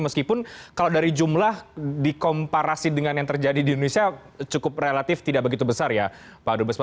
meskipun kalau dari jumlah dikomparasi dengan yang terjadi di indonesia cukup relatif tidak begitu besar ya pak dubes